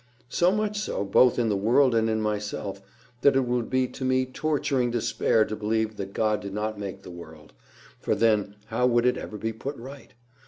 "So much so, both in the world and in myself, that it would be to me torturing despair to believe that God did not make the world; for then, how would it ever be put right?